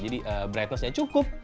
jadi brightness nya cukup